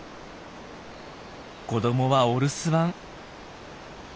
子どもはお留守番。